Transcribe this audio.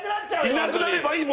いなくなればいい。